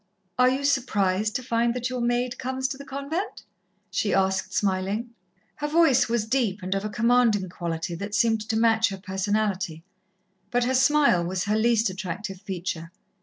"Are you surprised to find that your maid comes to the convent?" she asked, smiling. Her voice was deep and of a commanding quality that seemed to match her personality, but her smile was her least attractive feature.